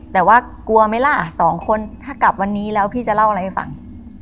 แต่ว่ากลัวไหมล่ะสองคนถ้ากลับวันนี้แล้วพี่จะเล่าอะไรให้ฟัง